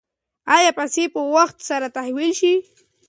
ایا پیسې به په وخت سره تحویل شي؟